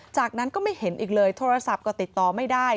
จากนั้นก็ไม่เห็นอีกเลยโทรศัพท์ก็ติดต่อไม่ได้